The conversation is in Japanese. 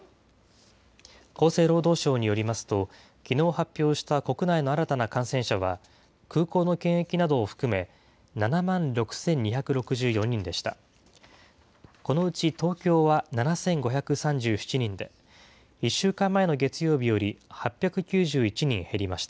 厚生労働省によりますと、きのう発表した国内の新たな感染者は、空港の検疫などを含め、７万６２６４人でした。